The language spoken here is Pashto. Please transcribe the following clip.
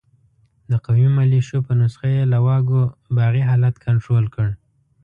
د قومي ملېشو په نسخه یې له واګو باغي حالت کنترول کړ.